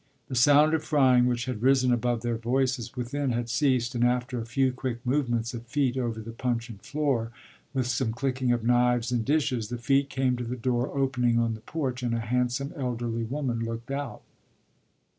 The sound of frying which had risen above their voices within had ceased, and after a few quick movements of feet over the puncheon floor, with some clicking of knives and dishes, the feet came to the door opening on the porch and a handsome elderly woman looked out.